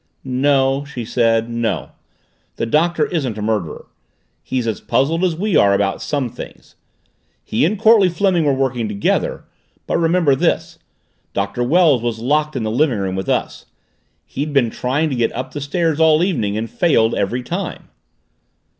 "No," she said. "No. The Doctor isn't a murderer. He's as puzzled as we are about some things. He and Courtleigh Fleming were working together but remember this Doctor Wells was locked in the living room with us. He'd been trying to get up the stairs all evening and failed every time."